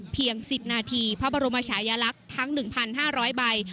๑๐นาทีพระบรมชายลักษณ์ทั้ง๑๕๐๐ใบ